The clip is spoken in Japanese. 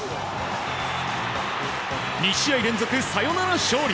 ２試合連続サヨナラ勝利。